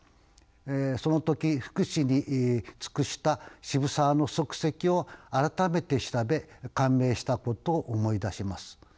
その時福祉に尽くした渋沢の足跡を改めて調べ感銘したことを思い出します。